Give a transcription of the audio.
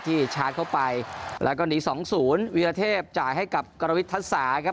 ที่ชาร์จเข้าไปแล้วก็หนีสองศูนย์วิทยาเทพฯจ่ายให้กับกรวิทธศาสตร์ครับ